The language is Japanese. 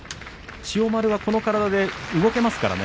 千代丸はこの体で動けますからね。